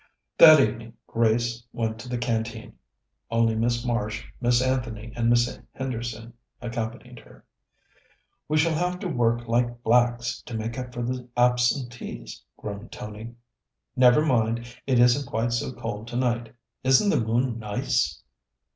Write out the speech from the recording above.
That evening Grace went to the Canteen. Only Miss Marsh, Miss Anthony, and Miss Henderson accompanied her. "We shall have to work like blacks to make up for the absentees," groaned Tony. "Never mind; it isn't quite so cold tonight. Isn't the moon nice?"